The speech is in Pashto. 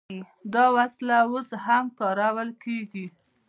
دا وسله اوس هم کارول کیږي.